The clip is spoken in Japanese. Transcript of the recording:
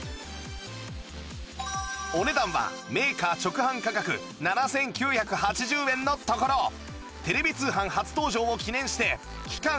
お値段はメーカー直販価格７９８０円のところテレビ通販初登場を記念して期間